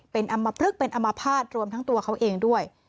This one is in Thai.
เป็นอัมพฤกษ์เป็นอัมพาตรรวมทั้งตัวเขาเองด้วย